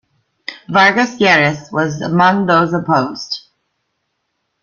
Vargas Lleras was amongst those opposed.